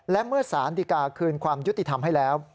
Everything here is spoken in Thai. และเมื่อสารดีกาคืนความยุติธรรมให้แล้ว